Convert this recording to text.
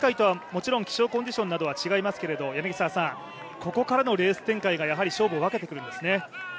前回とはもちろん気象コンディションなどは違いますけれどもここからのレース展開が勝負を分けてくるんですね。